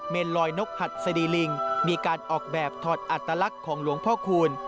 ลอยนกหัดสดีลิงมีการออกแบบถอดอัตลักษณ์ของหลวงพ่อคูณ